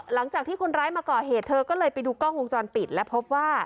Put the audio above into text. หลังจากที่คนร้ายมาก่อเหตุเธอก็เลยไปดูกล้องวงจรปิดและพบว่า